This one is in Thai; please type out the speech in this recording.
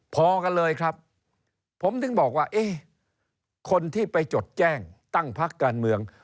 พอกันเลยครับผมถึงบอกว่าเอ๊ะคนที่ไปจดแจ้งตั้งพักการเมือง